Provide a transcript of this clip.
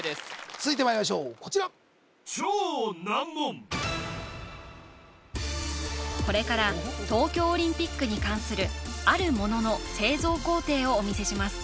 続いてまいりましょうこちらこれから東京オリンピックに関するある物の製造工程をお見せします